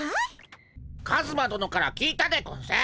カズマどのから聞いたでゴンス。